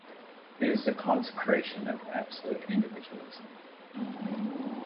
It is the consecration of absolute individualism.